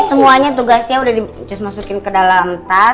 semuanya tugasnya udah disusun masukin ke dalam tas